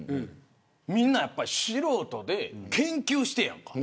みんな素人で、研究してやんか。